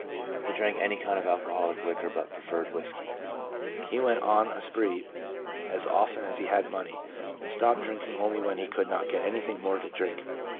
He drank any kind of alcoholic liquor, but preferred whisky. He went on a spree as often as he had money, and stopped drinking only when he could not get anything more to drink.